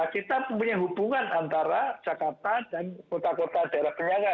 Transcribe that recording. kita punya hubungan antara jakarta dan kota kota daerah penyangga